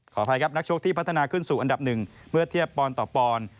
ขออภัยครับนักชกที่พัฒนาขึ้นสู่อันดับหนึ่งเมื่อเทียบปอนต่อปอนด์